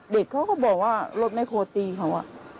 เด็กเขาก็บอกว่ารถแคลตีเขา